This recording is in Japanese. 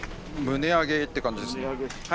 棟上げって感じですね。